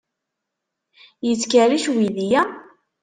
Yettkerric uydi-a?